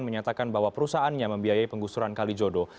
menyatakan bahwa perusahaannya membiayai penggusuran kalijodo